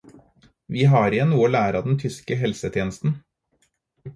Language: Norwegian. Vi har igjen noe å lære av den tyske helsetjenesten.